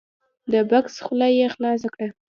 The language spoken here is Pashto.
د بکس خوله یې خلاصه کړه !